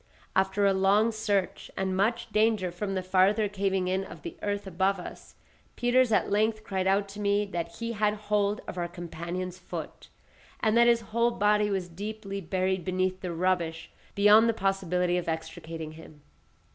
After a long search, and much danger from the farther caving in of the earth above us, Peters at length cried out to me that he had hold of our companion's foot, and that his whole body was deeply buried beneath the rubbish beyond the possibility of extricating him.